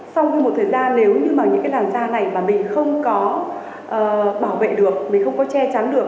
sau cái một thời gian nếu như mà những cái làn da này mà mình không có bảo vệ được mình không có che trắng được